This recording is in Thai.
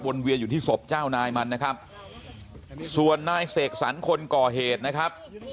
เวียนอยู่ที่ศพเจ้านายมันนะครับส่วนนายเสกสรรคนก่อเหตุนะครับ